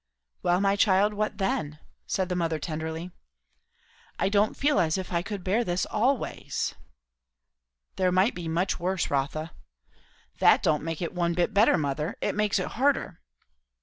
"Well, my child? what then?" said the mother tenderly. "I don't feel as if I could bear this always." "There might be much worse, Rotha." "That don't make this one bit better, mother. It makes it harder."